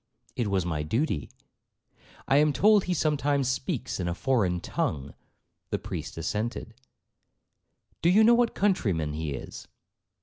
'—'It was my duty.'—'I am told he sometimes speaks in a foreign tongue.' The priest assented. 'Do you know what countryman he is?'